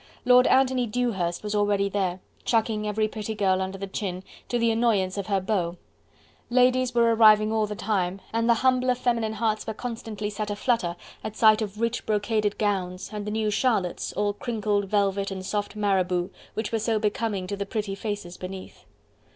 Lord Anthony Dewhurst was already there, chucking every pretty girl under the chin, to the annoyance of her beau. Ladies were arriving all the time, and the humbler feminine hearts were constantly set a flutter at sight of rich brocaded gowns, and the new Charlottes, all crinkled velvet and soft marabout, which were so becoming to the pretty faces beneath.